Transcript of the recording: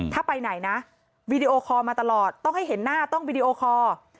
ถ้าไปไหนนะวีดีโอคอลมาตลอดต้องให้เห็นหน้าต้องวิดีโอคอร์